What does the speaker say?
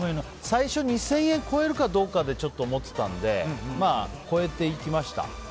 最初２０００円を超えるかどうかでちょっと思ってたので超えていきました。